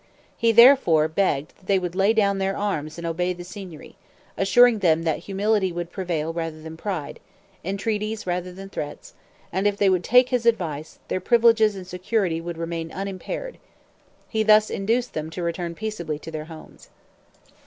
He therefore begged they would lay down their arms and obey the Signory; assuring them that humility would prevail rather than pride, entreaties rather than threats; and if they would take his advice, their privileges and security would remain unimpaired. He thus induced them to return peaceably to their homes.